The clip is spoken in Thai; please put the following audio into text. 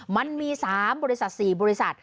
มันมี๓บริษัท๔บริษัท